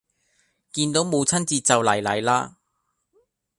見到母親節就嚟嚟啦